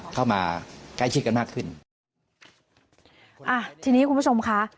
เข้ามาใกล้ชิดกันมากขึ้นอ่ะทีนี้คุณผู้ชมค่ะ